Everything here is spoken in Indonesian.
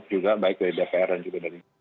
juga baik dari dpr dan juga dari